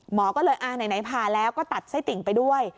หมอก็เลยไหนผ่าแล้วก็ตัดไส้ติ่งไปด้วย